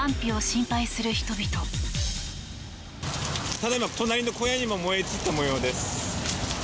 ただいま、隣の小屋にも燃え移った模様です。